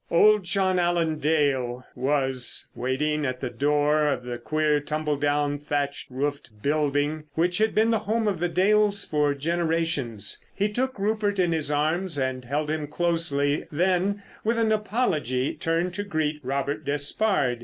Old John Allen Dale was waiting at the door of the queer, tumble down, thatched roofed building which had been the home of the Dales for generations. He took Rupert in his arms and held him closely, then, with an apology, turned to greet Robert Despard.